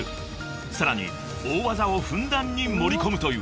［さらに大技をふんだんに盛り込むという］